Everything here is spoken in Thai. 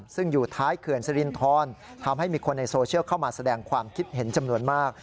ซึ่งอยู่ท้ายเขื่อนสรินทรทำให้มีคนในโซเชียลเข้ามาแสดงความคิดเห็นจำนวนมาก